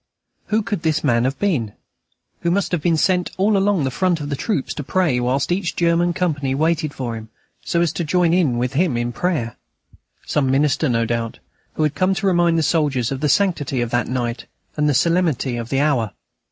Who could this man have been, who must have been sent along the front of the troops to pray, whilst each German company waited for him, so as to join with him in prayer? Some minister, no doubt, who had come to remind the soldiers of the sanctity of that night and the solemnity of the hour.